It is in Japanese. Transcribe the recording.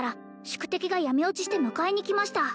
「宿敵が闇堕ちして迎えに来ました」